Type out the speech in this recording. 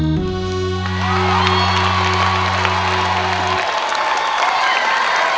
เชื่อพี่เถิดมันมีโชคลำไยกะโลกมันลูกใหญ่